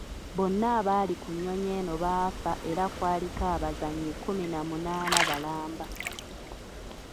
Bonna abaali ku nnyonyi eno baafa era kwaliko abazannyi kkumi na munaana balamba.